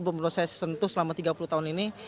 belum saya sentuh selama tiga puluh tahun ini